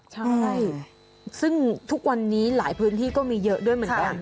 ใช่ซึ่งทุกวันนี้หลายพื้นที่ก็มีเยอะด้วยเหมือนกัน